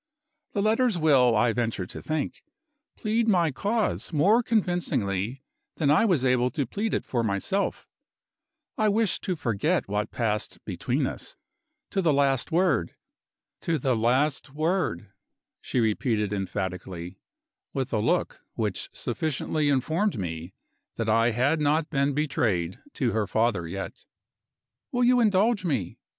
The letters will, I venture to think, plead my cause more convincingly than I was able to plead it for myself. I wish to forget what passed between us, to the last word. To the last word," she repeated emphatically with a look which sufficiently informed me that I had not been betrayed to her father yet. "Will you indulge me?"